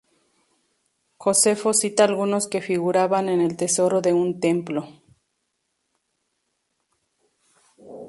Josefo cita algunos que figuraban en el tesoro de un templo.